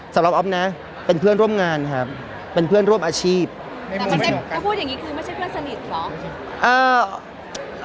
สำหรับอ๊อฟนะเป็นเพื่อนร่วมงานครับเป็นเพื่อนร่วมอาชีพแต่ไม่ใช่ถ้าพูดอย่างนี้คือไม่ใช่เพื่อนสนิทเหรอ